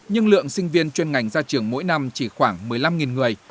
nhưng lượng sinh viên chuyên ngành ra trường mỗi năm chỉ khoảng một mươi năm người